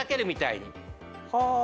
はあ。